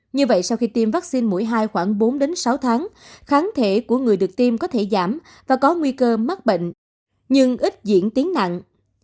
như vậy sau khi tiêm vaccine mũi hai khoảng bốn sáu tháng kháng thể của người được tiêm có thể giảm và có nguy cơ mắc bệnh nhưng ít diễn tiến nặng